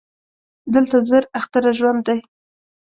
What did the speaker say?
دلته زر اختره ژوند دی